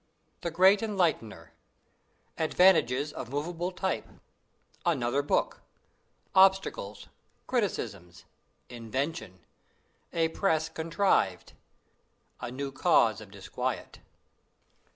The Great Enlightener. Advantages of Movable Type. Another Book. Obstacles. Criticisms. Invention. A Press contrived. New Cause of Disquiet.